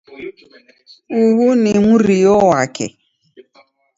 Uhu ni mrio wake.